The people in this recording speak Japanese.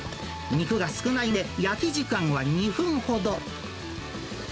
肉が少ないので、焼き時間は２分ほど。